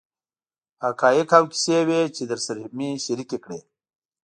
حقایق او کیسې وې چې درسره مې شریکې کړې.